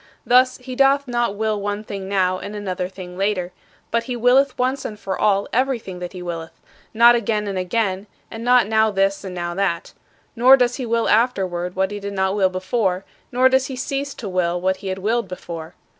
Thus, he doth not will one thing now and another thing later, but he willeth once and for all everything that he willeth not again and again; and not now this and now that. Nor does he will afterward what he did not will before, nor does he cease to will what he had willed before.